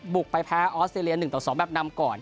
บุกไปแพ้ออสเตรียน๑๒แบบนำก่อน